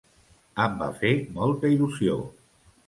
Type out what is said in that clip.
Em va fer molta il·lusió.